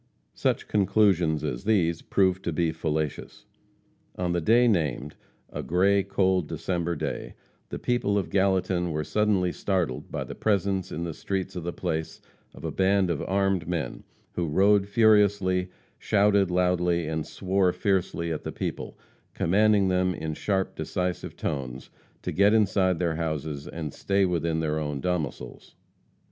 Such conclusions as these proved to be fallacious. On the day named a gray, cold December day the people of Gallatin were suddenly startled by the presence, in the streets of the place, of a band of armed men, who rode furiously, shouted loudly, and swore fiercely at the people, commanding them, in sharp, decisive tones, to get inside their houses and stay within their own domicils.